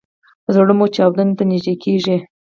زړه مو چاودون ته نږدې کیږي